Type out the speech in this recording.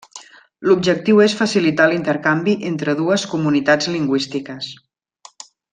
L'objectiu és facilitar l'intercanvi entre dues comunitats lingüístiques.